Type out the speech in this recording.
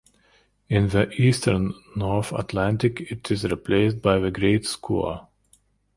In the eastern North Atlantic it is replaced by the great skua.